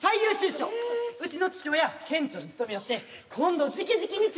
うちの父親県庁に勤めよって今度じきじきに知事から。